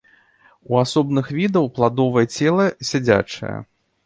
У асобных відаў пладовае цела сядзячае.